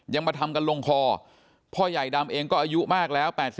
มาทำกันลงคอพ่อใหญ่ดำเองก็อายุมากแล้ว